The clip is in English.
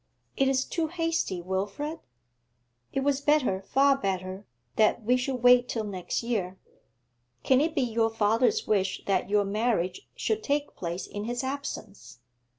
'It is too hasty, Wilfrid. It was better, far better, that we should wait till next year. Can it be your father's wish that your marriage should take place in his absence?